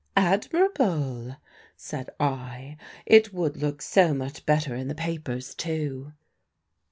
"Admirable!" said I. "It would look so much better in the papers too."